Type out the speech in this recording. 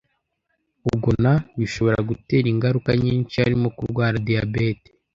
Kugona bishobora gutera ingaruka nyinshi harimo kurwara diabete